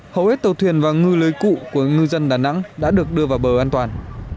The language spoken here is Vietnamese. hầu hết tàu thuyền và ngư lưới cụ của ngư dân đà nẵng đã được đưa vào bờ an toàn